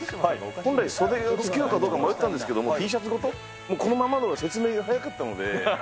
本来、袖をつけようかどうか迷ったんですけど、Ｔシャツごと、このままのほうが説明が早かったので。